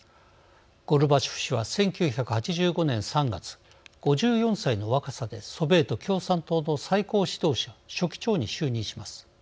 ゴルバチョフ氏は１９８５年３月５４歳の若さでソビエト共産党の最高指導者書記長に就任します。